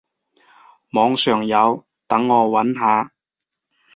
網上有，等我揾下